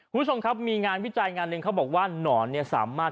คุณผู้ชมครับมีงานวิจัยงานหนึ่งเขาบอกว่าหนอนเนี่ยสามารถ